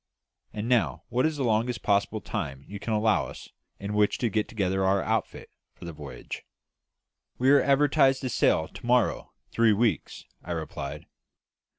And now, what is the longest possible time you can allow us in which to get together our outfit for the voyage?" "We are advertised to sail to morrow three weeks," I replied.